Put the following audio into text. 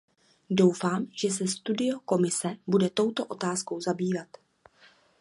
Doufám, že se studie Komise bude touto otázkou zabývat.